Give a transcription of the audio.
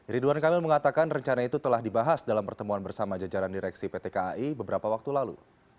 ridwan kamil mengatakan rencana itu telah dibahas dalam pertemuan bersama jajaran direksi pt kai beberapa waktu lalu